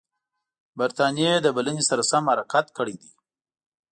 برټانیې د بلنې سره سم حرکت کړی دی.